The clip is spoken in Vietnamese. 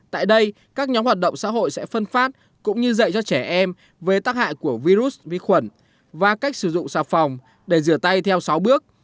tại đây các nhóm hoạt động xã hội sẽ phân phát cũng như dạy cho trẻ em về tác hại của virus vi khuẩn và cách sử dụng xà phòng để rửa tay theo sáu bước